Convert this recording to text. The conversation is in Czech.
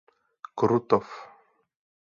Krutov.